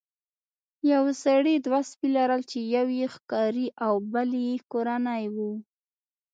یو سړي دوه سپي لرل چې یو یې ښکاري او بل یې کورنی و.